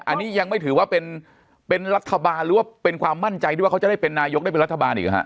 อันนี้ยังไม่ถือว่าเป็นรัฐบาลหรือว่าเป็นความมั่นใจที่ว่าเขาจะได้เป็นนายกได้เป็นรัฐบาลอีกหรือฮะ